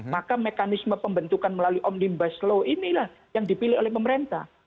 maka mekanisme pembentukan melalui omnibus law inilah yang dipilih oleh pemerintah